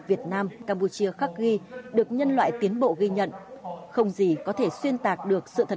việt nam campuchia khắc ghi được nhân loại tiến bộ ghi nhận không gì có thể xuyên tạc được sự thật